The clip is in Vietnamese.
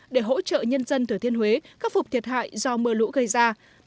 để hỗ trợ nhân dân thừa thiên huế khắc phục thiệt hại do mưa lũ gây ra